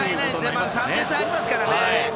まだ３点差ありますから。